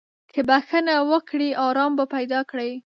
که بخښنه وکړې، ارام به پیدا کړې.